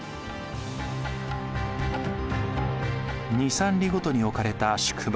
２３里ごとに置かれた宿場。